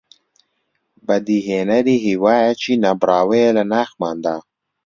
بەدیهێنەری هیوایەکی نەبڕاوەیە لە ناخماندا